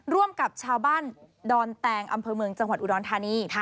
ร่วมกับชาวบ้านดอนแตงอำเภอเมืองจังหวัดอุดรธานี